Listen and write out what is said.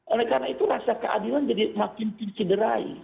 oleh karena itu rasa keadilan jadi makin tercederai